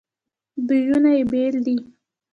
بویونه یې بیل دي.